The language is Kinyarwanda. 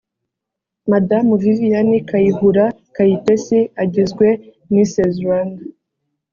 madamu vivian kayihura kayitesi agizwe mrs rwanda